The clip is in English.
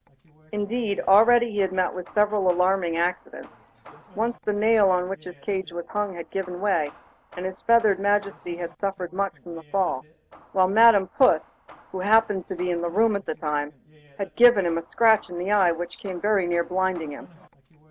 Indeed, already he had met with several alarming accidents. Once the nail on which his cage was hung had given way, and his feathered Majesty had suffered much from the fall, while Madam Puss, who happened to be in the room at the time, had given him a scratch in the eye which came very near blinding him.